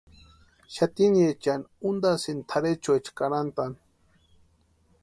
Xatiniechani untasïni tʼarhechuecha karhantani.